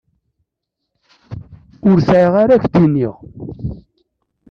Ur sɛiɣ ara k-d-iniɣ.